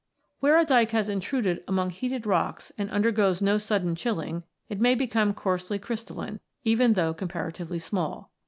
Where a dyke has intruded among heated rocks and undergoes no sudden chilling, it may become coarsely crystalline, even though comparatively small.